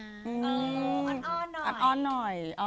อัดอ้อนหน่อย